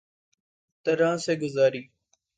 طرح سے گزاری